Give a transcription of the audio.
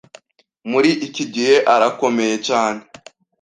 muri iki gihe arakomeye cyane